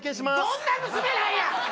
どんな娘なんや！